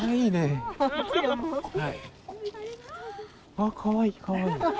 あっかわいいかわいい。